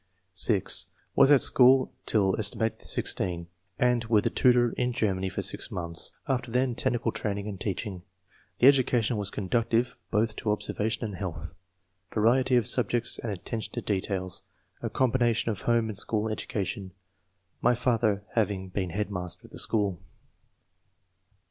(6) "Was at school till set. 16, and with a tutor in • Germany ^for 6 months ; after then, technical training and teaching. The education was conducive both to observation and health. 240 ENGLISH MEN OF SCIENCE. [chap. Variety of subjects and attention to details. A combination of home and school education, my father having been head master of the school."